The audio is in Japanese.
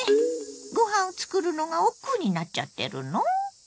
ご飯を作るのがおっくうになっちゃってるの？